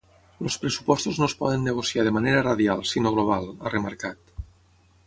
“Els pressupostos no es poden negociar de manera radial, sinó global”, ha remarcat.